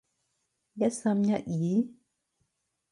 一心一意？